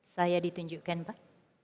saya ditunjukkan pak